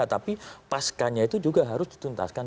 tapi pascanya itu juga harus dituntaskan